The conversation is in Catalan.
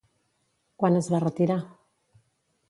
Quan es va retirar?